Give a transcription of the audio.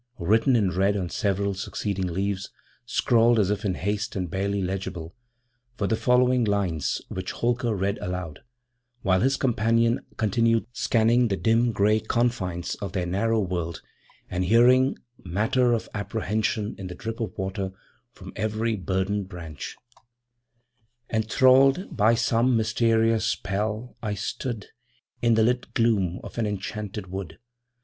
Written in red on several succeeding leaves scrawled as if in haste and barely legible were the following lines, which Holker read aloud, while his companion continued scanning the dim grey confines of their narrow world and hearing matter of apprehension in the drip of water from every burdened branch: 'Enthralled by some mysterious spell, I stood In the lit gloom of an enchanted wood.